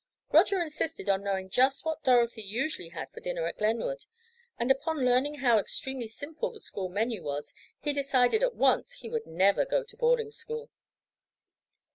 Roger insisted on knowing just what Dorothy usually had for dinner at Glenwood, and upon learning how extremely simple the school menu was he decided at once he would never go to boarding school.